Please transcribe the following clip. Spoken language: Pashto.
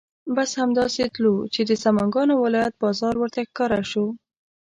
بس همدا سې تلو چې د سمنګانو ولایت بازار ورته ښکاره شو.